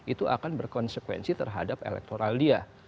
itu akan berkonsekuensi terhadap elektoral dia